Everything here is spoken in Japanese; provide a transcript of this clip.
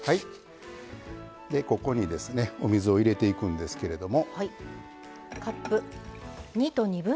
ここにですねお水を入れていくんですけれども。